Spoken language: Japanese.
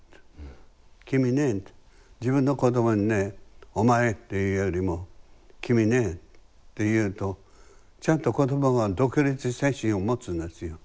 君ね自分の子供にねお前って言うよりも君ねって言うとちゃんと子供が独立精神を持つんですよ。